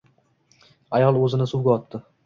Ayol o‘zini suvga otdi.